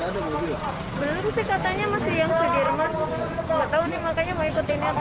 belum sih katanya masih yang sedirman gak tau nih makanya mau ikutinnya